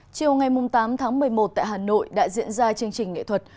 chiều ngày tám tháng một mươi một tại hà nội đã diễn ra chương trình nghệ thuật